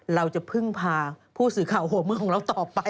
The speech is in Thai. เราจะพึ่งพาผู้สื่อข่าวหัวมือของเราต่อไป